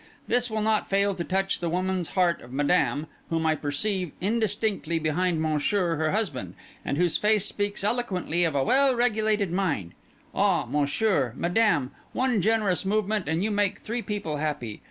This will not fail to touch the woman's heart of Madame, whom I perceive indistinctly behind Monsieur her husband, and whose face speaks eloquently of a well regulated mind. Ah! Monsieur, Madame—one generous movement, and you make three people happy!